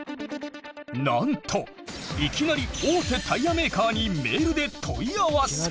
なんといきなり大手タイヤメーカーにメールで問い合わせ！